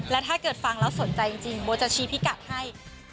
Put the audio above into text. และถ้าเกิดฟังแล้วสนใจจริงโบจะชี้พิกัดให้